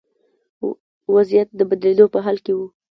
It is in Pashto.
وضعیت د بدلېدو په حال کې و.